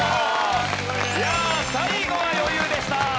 いやあ最後は余裕でした。